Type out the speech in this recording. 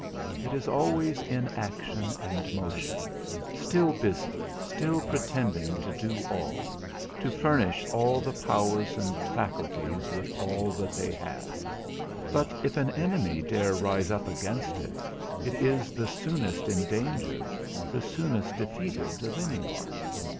It is always in action and motion, still busy, still pretending to do all, to furnish all the powers and faculties with all that they have; but if an enemy dare rise up against it, it is the soonest endangered, the soonest defeated of any part.